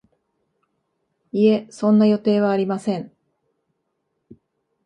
いえ、そんな予定はありません